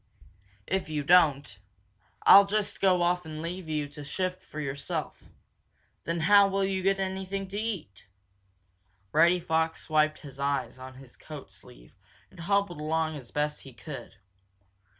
If you don't, I'll just go off and leave you to shift for yourself. Then how will you get anything to eat?" Reddy Fox wiped his eyes on his coat sleeve and hobbled along as best he could.